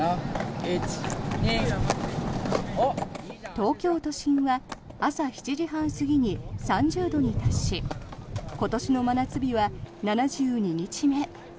東京都心は朝７時半過ぎに３０度に達し今年の真夏日は７２日目。